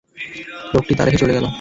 লোকটি তা রেখে চলে গেল।